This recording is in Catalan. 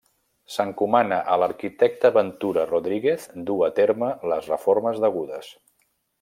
S'encomana a l'arquitecte Ventura Rodríguez dur a terme les reformes degudes.